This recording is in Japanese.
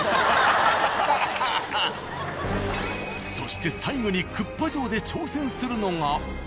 そして最後にクッパ城で挑戦するのが。